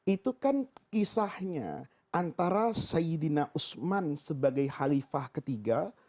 itu kan kisahnya antara sayyidina usman sebagai halifah ketiga